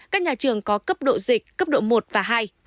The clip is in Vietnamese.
các nhà trường có cấp độ dịch cấp độ một và hai